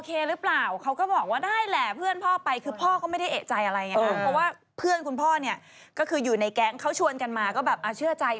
เอาล่ะเรากำลังพูดเรื่องโชคกุณหรือโชคกุณหรือใช่